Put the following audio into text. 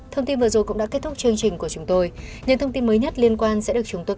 thông tin vừa rồi cũng đã kết thúc chương trình của chúng tôi